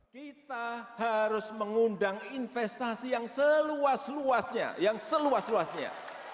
kita harus mengundang investasi yang seluas luasnya yang seluas luasnya